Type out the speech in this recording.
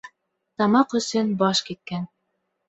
Тамаҡ өсөн баш киткән.